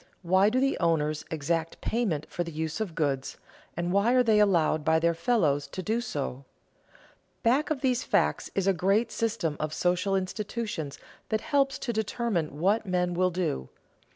Why do the owners exact payment for the use of goods, and why are they allowed by their fellows to do so? Back of these facts is a great system of social institutions that helps to determine what men will do.